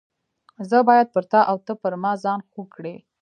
زه باید پر تا او ته پر ما ځان خوږ کړې.